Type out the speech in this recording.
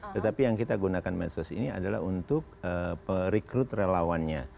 tetapi yang kita gunakan medsos ini adalah untuk rekrut relawannya